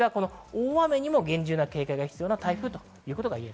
大雨にも厳重な警戒が必要な台風